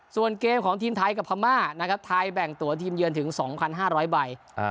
ส่วนเกมของทีมไทยกับพม่านะครับไทยแบ่งตัวทีมเยือนถึง๒๕๐๐ใบ